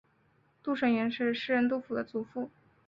杜审言是诗人杜甫的祖父。